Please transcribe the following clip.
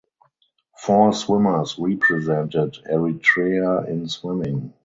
Four swimmers represented Eritrea in swimming.